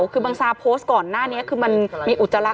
คือบังซาโพสต์ก่อนหน้านี้คือมันมีอุจจาระ